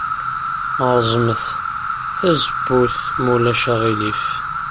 Reẓmet tazewwut, ma ulac aɣilif.